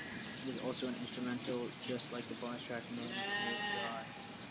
It is also an Instrumental, just like the Bonus Track, "Man Made God".